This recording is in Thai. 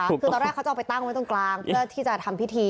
คือตอนแรกเขาจะเอาไปตั้งไว้ตรงกลางเพื่อที่จะทำพิธี